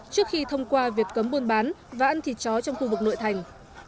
trước khi thông qua việc cấm buôn bán và ăn thịt chó trong khu vực nội thành